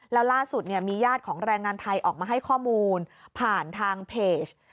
แล้วล่าสุดมีญาติของแรงงานไทยออกมาให้ข้อมูลผ่านทางเพจ